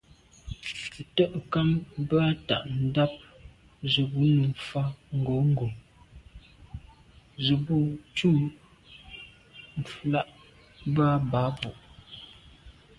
Te'nkam bə́ á tà' ndàp zə̄ bú nǔm fá ŋgǒngǒ zə̄ bū cûm lɑ̂' mvə̀ Ba'Bu.